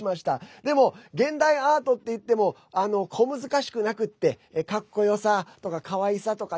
でも現代アートっていっても小難しくなくってかっこよさとか、かわいさとかね